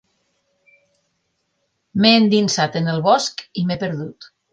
M'he endinsat en el bosc i m'he perdut.